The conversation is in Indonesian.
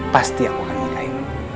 pasti aku akan nikahi